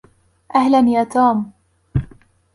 أهلا يا توم!